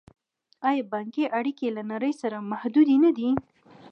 آیا بانکي اړیکې یې له نړۍ سره محدودې نه دي؟